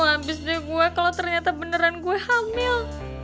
habis deh gue kalau ternyata beneran gue hamil